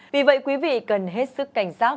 vì vậy quý vị cần hết sức cảnh sát